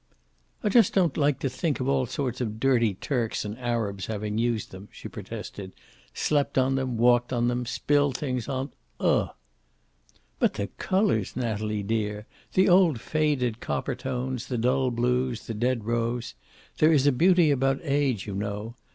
"I just don't like to think of all sorts of dirty Turks and Arabs having used them," she protested. "Slept on them, walked on them, spilled things on the ? ugh!" "But the colors, Natalie dear! The old faded 'copper tones, the dull blues, the dead rose! There is a beauty about age, you know.